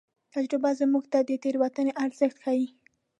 تجربه موږ ته د تېروتنې ارزښت ښيي.